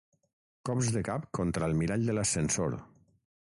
Cops de cap contra el mirall de l'ascensor.